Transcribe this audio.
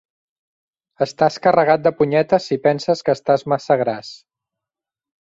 Estàs carregat de punyetes si penses que estàs massa gras.